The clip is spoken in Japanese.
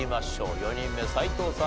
４人目斎藤さん